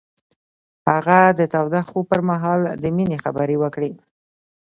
هغه د تاوده خوب پر مهال د مینې خبرې وکړې.